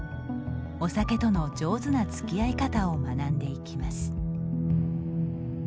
お酒との上手なつきあい方を学んでいきます。